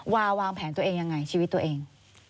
วาวางแผนตัวเองยังไงชีวิตตัวเอง